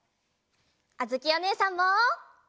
あづきおねえさんも！